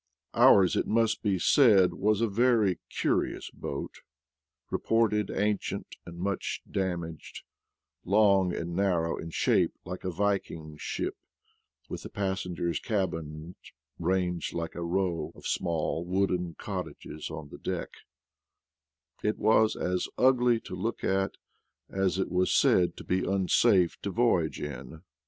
Ours, it must be said, was a very curious boat, reported ancient and much damaged; long and narrow in shape, like a Viking's ship, with the passengers' cabins ranged like a row of small wooden cottages on the deck: it was as ugly to look at as it was said to be unsafe to voyage in.